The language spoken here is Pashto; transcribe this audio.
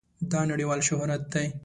دا نړېوال شهرت دی.